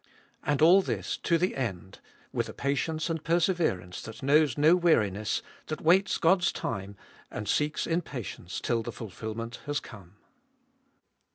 And all this to the end, with a patience and perse verance that knows no weariness, that waits God's time, and seeks in patience till the fulfilment has come.